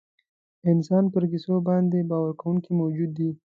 انسان پر کیسو باندې باور کوونکی موجود دی.